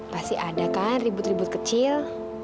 pasti ada kan ribut ribut kecil